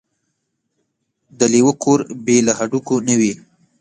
ـ د لېوه کور بې له هډوکو نه وي.